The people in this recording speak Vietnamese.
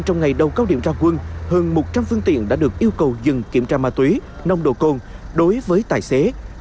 trong câu điểm trao quân hơn một trăm linh phương tiện đã được yêu cầu dừng kiểm tra ma túy nông độ cồn đối với tài xế